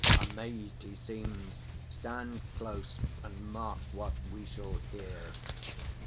Amazed He seems. Stand close, and mark what we shall hear.